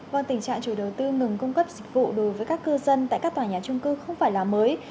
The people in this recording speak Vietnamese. vâng tình trạng chủ đầu tư ngừng cung cấp dịch vụ đối với các cư dân tại các tòa nhà trung cư không phải là mới